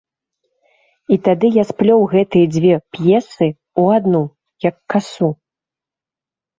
І тады я сплёў гэтыя дзве п'есы ў адну, як касу.